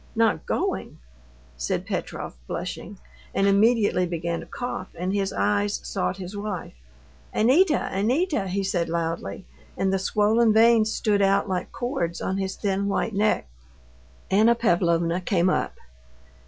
"Not going!" said Petrov, blushing, and immediately beginning to cough, and his eyes sought his wife. "Anita! Anita!" he said loudly, and the swollen veins stood out like cords on his thin white neck. Anna Pavlovna came up.